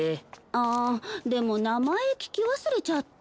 ああでも名前聞き忘れちゃった。